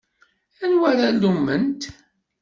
Anwa ara lumment?